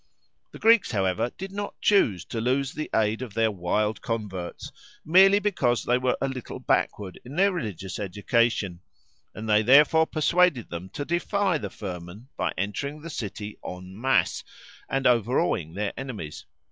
The Greeks, however, did not choose to lose the aid of their wild converts merely because they were a little backward in their religious education, and they therefore persuaded them to defy the firman by entering the city en masse and overawing their enemies.